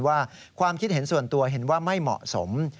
ว่าความคิดเห็นส่วนตัวเห็นว่าไม่เหมาะสม